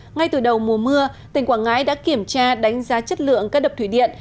ngay từ đầu mùa mưa tỉnh quảng ngãi đã kiểm tra đánh giá chất lượng các đập thủy điện